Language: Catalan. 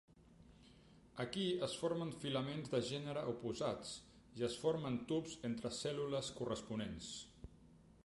Aquí es formen filaments de gènere oposats i es formen tubs entre cèl·lules corresponents.